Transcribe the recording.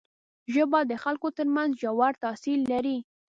ژبه د خلکو تر منځ ژور تاثیر لري